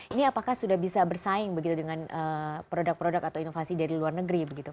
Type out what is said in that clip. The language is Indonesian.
ini apakah sudah bisa bersaing begitu dengan produk produk atau inovasi dari luar negeri